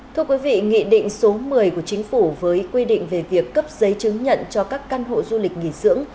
thưa quý vị nghị định số một mươi của chính phủ với quy định về việc cấp giấy chứng nhận cho các căn hộ du lịch nghỉ dưỡng